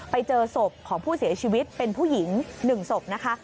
ไปเจอศพของผู้เสียชีวิตเป็นผู้หญิง๑ศพนะคะ